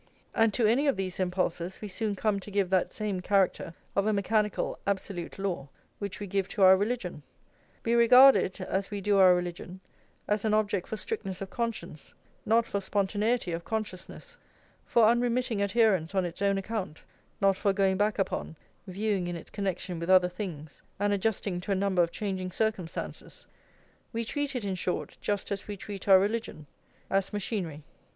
And to any of these impulses we soon come to give that same character of a mechanical, absolute law, which we give to our religion; we regard it, as we do our religion, as an object for strictness of conscience, not for spontaneity of consciousness; for unremitting adherence on its own account, not for going back upon, viewing in its connection with other things, and adjusting to a number of changing circumstances; we treat it, in short, just as we treat our religion, as machinery.